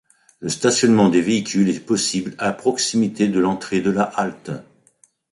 Le stationnement des véhicules est possible à proximité de l'entrée de la halte.